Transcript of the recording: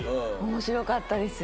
面白かったです。